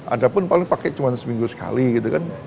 ada pun paling pakai cuma seminggu sekali gitu kan